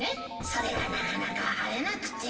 それがなかなか会えなくて。